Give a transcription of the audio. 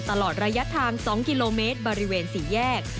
ตลอดระยะทาง๒กิโลเมตรบริเวณ๔แยก